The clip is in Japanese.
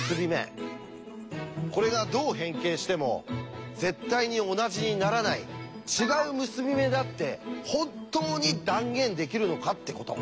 これがどう変形しても絶対に同じにならない違う結び目だって本当に断言できるのかってこと。